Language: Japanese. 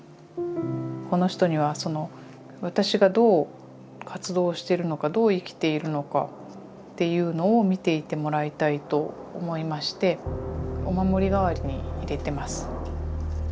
この人には私がどう活動してるのかどう生きているのかっていうのを見ていてもらいたいと思いましてお守り代わりに入れてます。